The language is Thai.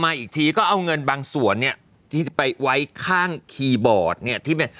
อีกทีก็เอาเงินบางส่วนเนี่ยที่จะไปไว้ข้างคีย์บอร์ดเนี่ยที่เป็น